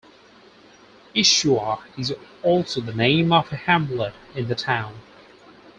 Ischua is also the name of a hamlet in the town.